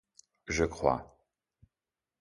Je crois.